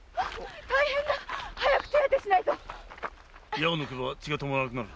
矢を抜けば血が止まらなくなる。